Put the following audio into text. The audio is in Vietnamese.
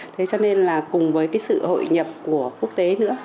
thế cho nên là cùng với cái sự hội nhập của quốc tế nữa